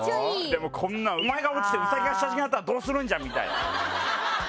こんなんお前が落ちてウサギが下敷きになったらどうするんじゃ！みたいな。